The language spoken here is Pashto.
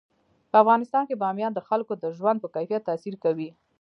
په افغانستان کې بامیان د خلکو د ژوند په کیفیت تاثیر کوي.